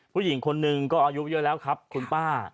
ผู้หญิงคนหนึ่งก็อายุเยอะแล้วครับคุณป้า